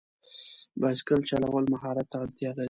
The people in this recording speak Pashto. بایسکل چلول مهارت ته اړتیا لري.